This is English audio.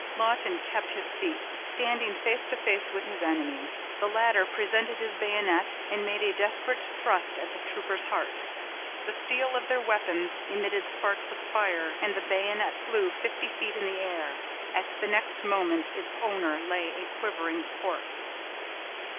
Lawton kept his feet, standing face to face with his enemy. The latter presented his bayonet, and made a desperate thrust at the trooper's heart. The steel of their weapons emitted sparks of fire, and the bayonet flew fifty feet in the air. At the next moment its owner lay a quivering corpse.